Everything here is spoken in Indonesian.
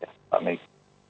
ya pak mik